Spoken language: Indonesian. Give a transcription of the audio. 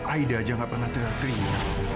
aida aja gak pernah teriak teriak